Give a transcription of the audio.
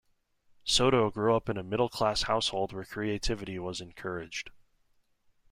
Soto grew up in a middle class household where creativity was encouraged.